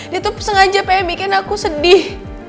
dia tuh sengaja pengen bikin aku sedih